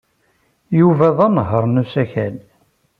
Yuba d anehhaṛ n usakal.